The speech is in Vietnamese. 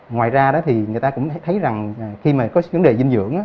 ngoài ra thì người ta cũng thấy rằng khi có vấn đề dinh dưỡng